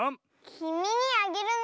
「きみにあげるね」？